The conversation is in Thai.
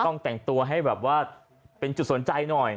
ต้องแต่งตัวให้แบบว่าเป็นจุดสนใจหน่อย